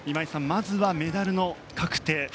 まずメダルの確定